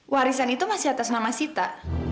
warisan itu masih atas nama sita